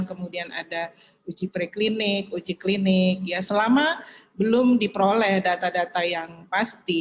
kemudian ada uji preklinik uji klinik ya selama belum diperoleh data data yang pasti